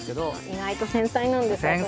意外と繊細なんです私。